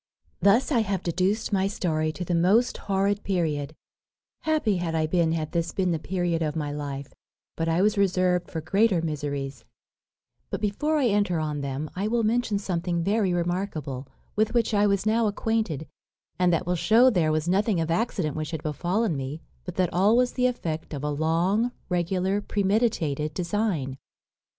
"Thus I have deduced my story to the most horrid period; happy had I been had this been the period of my life, but I was reserved for greater miseries; but before I enter on them I will mention something very remarkable, with which I was now acquainted, and that will shew there was nothing of accident which had befallen me, but that all was the effect of a long, regular, premeditated design.